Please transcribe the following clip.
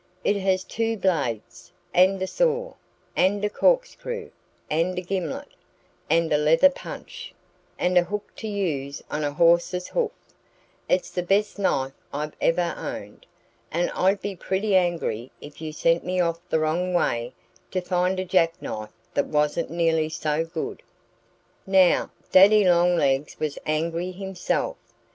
It has two blades, and a saw, and a corkscrew, and a gimlet, and a leather punch, and a hook to use on a horse's hoof. It's the best knife I've ever owned. And I'd be pretty angry if you sent me off the wrong way to find a jackknife that wasn't nearly so good." Now, Daddy Longlegs was angry himself.